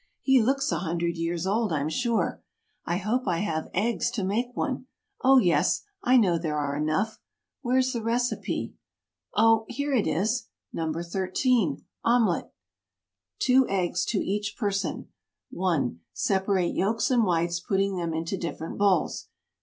He looks a hundred years old, I'm sure. I hope I have eggs to make one oh, yes, I know there are enough. Where's the recipe? Oh, here it is!" [Illustration: The largest cup she could find.] NO. 13. OMELET. Two eggs to each person. 1. Separate yolks and whites, putting them into different bowls.